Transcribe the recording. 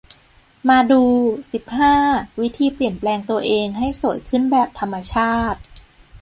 มาดู สิบห้า วิธีเปลี่ยนแปลงตัวเอง ให้สวยขึ้นแบบธรรมชาติ